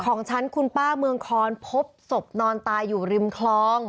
ของฉันคุณป้าเมืองคอนพบศพนอนตายอยู่ริมคลอง